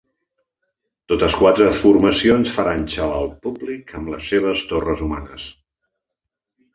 Totes quatre formacions faran xalar el públic amb les seves torres humanes.